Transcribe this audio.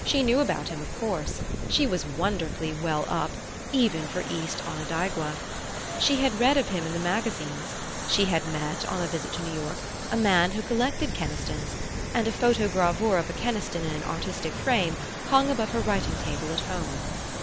She knew about him, of course; she was wonderfully "well up," even for East Onondaigua. She had read of him in the magazines; she had met, on a visit to New York, a man who collected Kenistons, and a photogravure of a Keniston in an "artistic" frame hung above her writing table at home.